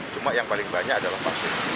cuma yang paling banyak adalah vaksin